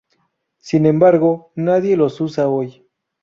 Sin embargo, nadie los usa hoy.